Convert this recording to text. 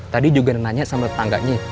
tadi juga nanya sama tetangganya